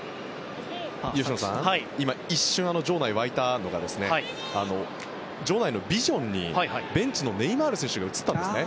今、一瞬場内が沸いたのが場内のビジョンにベンチのネイマール選手が映ったんですね。